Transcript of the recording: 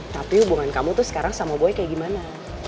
tapi hubungan kamu tuh sekarang sama boy kayak gimana